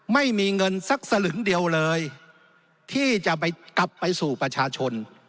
ไม่มีเงินสักสลึงเดียวเลยที่จะไปกลับไปสู่ประชาชน